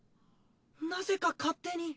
なぜか勝手に。